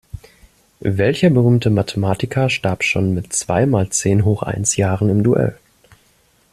Welcher berühmte Mathematiker starb schon mit zwei mal zehn hoch eins Jahren im Duell?